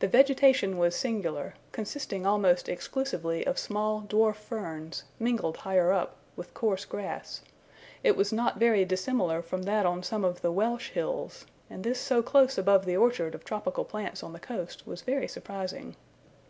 The vegetation was singular, consisting almost exclusively of small dwarf ferns, mingled higher up, with coarse grass; it was not very dissimilar from that on some of the Welsh hills, and this so close above the orchard of tropical plants on the coast was very surprising.